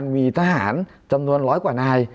มีทหารจำนวนร้อยกว่านาย